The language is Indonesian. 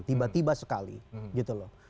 tiba tiba sekali gitu loh